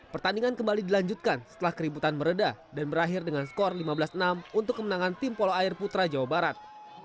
pertandingan kembali dilanjutkan setelah keributan meredah dan berakhir dengan skor lima belas enam untuk kemenangan tim polo air putra jawa barat